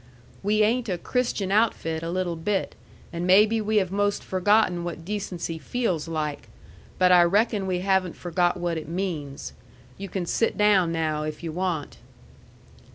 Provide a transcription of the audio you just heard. "We ain't a Christian outfit a little bit, and maybe we have most forgotten what decency feels like. But I reckon we haven't forgot what it means. You can sit down now, if you want."